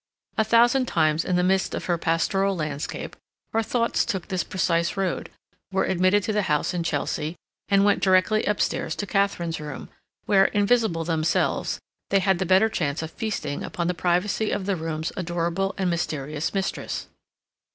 A thousand times in the midst of her pastoral landscape her thoughts took this precise road, were admitted to the house in Chelsea, and went directly upstairs to Katharine's room, where, invisible themselves, they had the better chance of feasting upon the privacy of the room's adorable and mysterious mistress.